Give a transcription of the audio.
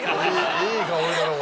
いい香りだろこれ。